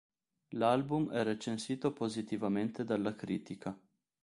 L'album è recensito positivamente dalla critica.